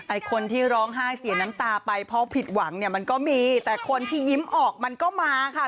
คนที่ร้องไห้เสียน้ำตาไปเพราะผิดหวังเนี่ยมันก็มีแต่คนที่ยิ้มออกมันก็มาค่ะ